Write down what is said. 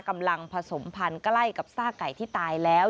กำลังผสมพันธุ์ใกล้กับซากไก่ที่ตายแล้ว